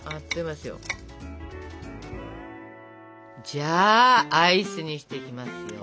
じゃあアイスにしていきますよ！